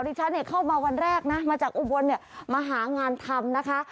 ฉันเข้ามาวันแรกนะมาจากอุบลเนี่ยมาหางานทำนะคะ